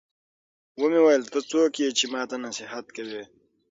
ومې ويل ته څوک يې چې ما ته نصيحت کوې.